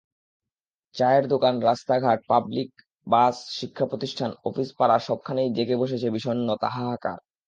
চায়ের দোকান, রাস্তা-ঘাট, public bus, শিক্ষাপ্রতিষ্ঠান, অফিস পাড়া—সবখানেই জেঁকে বসেছে বিষণ্নতা, হাহাকার।